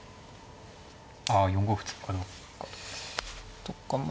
あ４五歩突くかどうか。とかま